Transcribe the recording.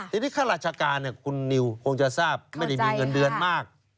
ทีนี้ข้าราชการคุณนิวคงจะทราบไม่ได้มีเงินเดือนมาก